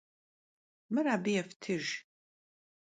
Mır abı yêftıjj!